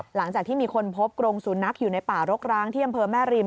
หลังจากที่มีคนพบกรงสุนัขอยู่ในป่ารกร้างที่อำเภอแม่ริม